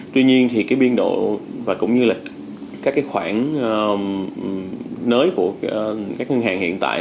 tuy nhiên thì cái biên độ và cũng như là các cái khoản nới của các ngân hàng hiện tại